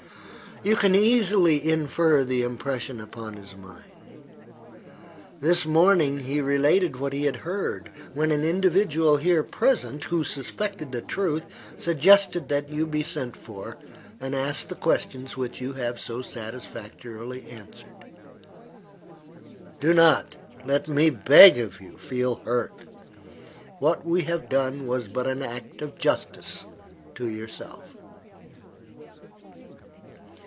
You can easily infer the impression upon his mind. This morning, he related what he had heard, when an individual here present, who suspected the truth, suggested that you be sent for and asked the questions which you have so satisfactorily answered. Do not, let me beg of you, feel hurt. What we have done was but an act of justice to yourself."